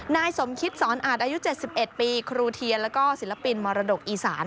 นายสมคิดสอนอาจอายุ๗๑ปีครูเทียนแล้วก็ศิลปินมรดกอีสาน